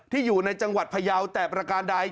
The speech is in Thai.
อยู่ในจังหวัดพยาวแต่ประการใด